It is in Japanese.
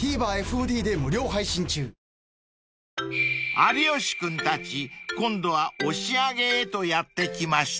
［有吉君たち今度は押上へとやって来ました］